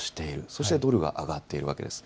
そして、ドルが上がっているわけです。